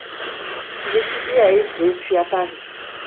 Il étudie à Évreux puis à Paris.